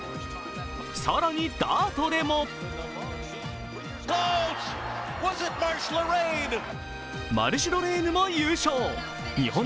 更にダートでもマルシュロレーヌも優勝。